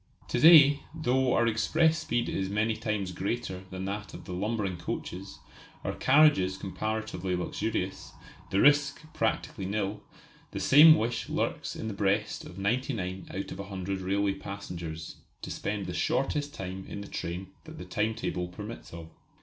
To day, though our express speed is many times greater than that of the lumbering coaches, our carriages comparatively luxurious, the risk practically nil, the same wish lurks in the breast of ninety nine out of a hundred railway passengers to spend the shortest time in the train that the time table permits of.